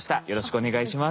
お願いします。